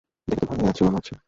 দেখে তো ভালোই আছো মনে হচ্ছে।